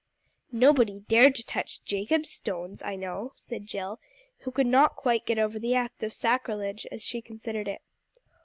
"Nobody dared to touch Jacob's stones, I know," said Jill; who could not quite get over the act of sacrilege, as she considered it.